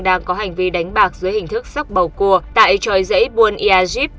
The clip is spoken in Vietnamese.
đang có hành vi đánh bạc dưới hình thức sóc bầu cua tại tròi dãy buôn ia dip